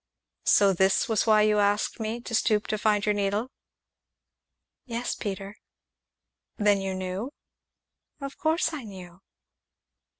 "So this was why you asked me to stoop to find your needle?" "Yes, Peter." "Then you knew?" "Of course I knew."